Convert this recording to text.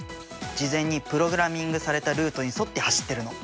事前にプログラミングされたルートに沿って走ってるの。